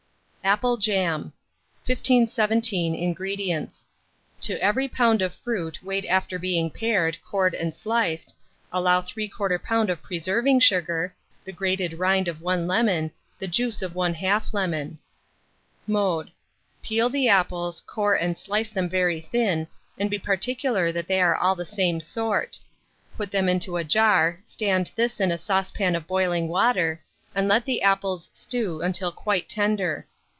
APPLE JAM. 1517. INGREDIENTS. To every lb. of fruit weighed after being pared, cored, and sliced, allow 3/4 lb. of preserving sugar, the grated rind of 1 lemon, the juice of 1/2 lemon. Mode. Peel the apples, core and slice them very thin, and be particular that they are all the same sort. Put them into a jar, stand this in a saucepan of boiling water, and let the apples stew until quite tender.